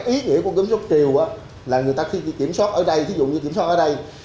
ý nghĩa của kiểm soát triều là người ta khi kiểm soát ở đây